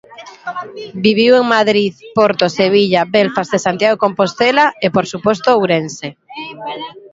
Viviu en Madrid, Porto, Sevilla, Belfast e Santiago de Compostela e, por suposto, Ourense.